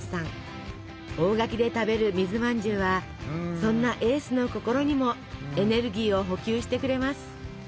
大垣で食べる水まんじゅうはそんなエースの心にもエネルギーを補給してくれます。